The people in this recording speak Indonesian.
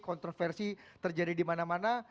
kontroversi terjadi di mana mana